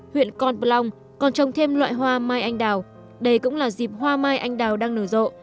huyện con plong còn trồng thêm loại hoa mai anh đào đây cũng là dịp hoa mai anh đào đang nở rộ